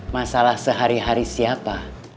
masalah sehari hari siapa